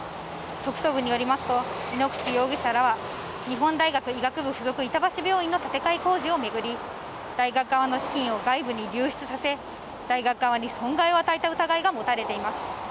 特捜部によりますと、井ノ口容疑者らは日本大学医学部付属板橋病院の建て替え工事をめぐり大学側の資金を外部に流出させ、大学側に損害を与えた疑いが持たれています。